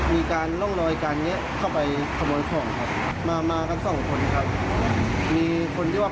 มีการร่องรอยการแงะเข้าไปขโมยของครับมามากันสองคนครับมีคนที่ว่า